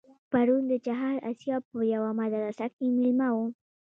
پرون د چهار آسیاب په یوه مدرسه کې مېلمه وم.